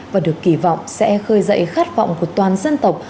và được kỳ vọng sẽ khơi dậy khát vọng của toàn dân tộc